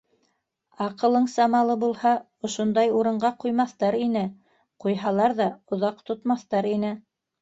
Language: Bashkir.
Аҡылың самалы булһа, ошондай урынға ҡуймаҫтар ине, ҡуйһалар ҙа, оҙаҡ тотмаҫтар ине.